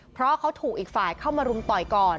เพราะเขาถูกอีกฝ่ายเข้ามารุมต่อยก่อน